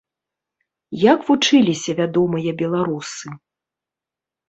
Як вучыліся вядомыя беларусы?